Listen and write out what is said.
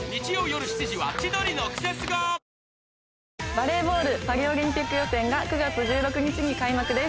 バレーボールパリオリンピック予選が９月１６日に開幕です。